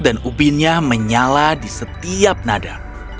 dan ubinnya menyala di setiap nada